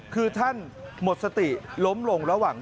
คือท่านหมดสติล้มลงระหว่าง